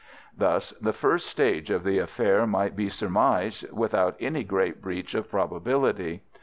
Thus the first stage of the affair might be surmised without any great breach of probability.